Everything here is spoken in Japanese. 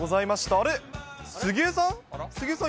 あれ、杉江さん？